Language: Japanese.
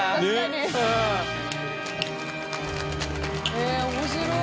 へえ面白い。